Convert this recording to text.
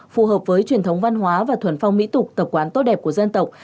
phù hợp với truyền thống văn hóa và thuần phong mỹ tục tập quán tốt đẹp của dân tộc